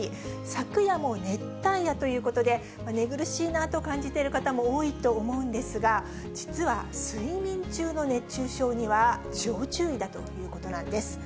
昨夜も熱帯夜ということで、寝苦しいなと感じている方も多いと思うんですが、実は睡眠中の熱中症には要注意だということなんです。